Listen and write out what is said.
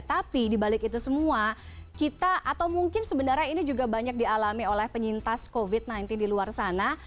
tapi dibalik itu semua kita atau mungkin sebenarnya ini juga banyak dialami oleh penyintas covid sembilan belas di luar sana